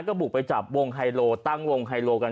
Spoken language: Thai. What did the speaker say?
ก็บุกไปจับวงไฮโลตั้งวงไฮโลกัน